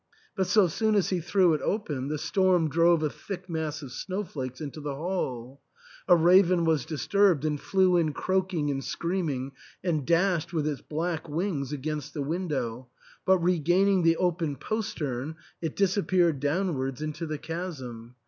But so soon as he threw it open the storm drove a thick mass of snow flakes into the hall ; a raven was disturbed and flew in croaking and screaming and dashed with its black wings against the window, but regaining the open postern it disappeared downwards into the chasm.